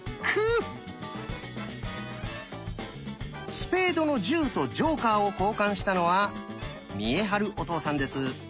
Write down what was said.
「スペードの１０」とジョーカーを交換したのは見栄晴お父さんです。